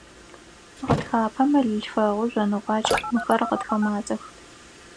Гъэтхапэ, мэлылъфэгъу, жъоныгъуакӀ – мыхэр гъэтхэ мазэх.